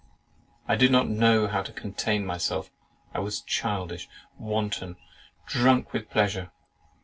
I did not know how to contain myself; I was childish, wanton, drunk with pleasure.